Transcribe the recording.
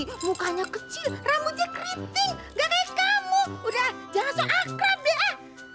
rambutnya keriting gak kayak kamu udah jangan sok akrab ya